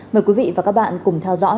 mời quý vị và các bạn cùng theo dõi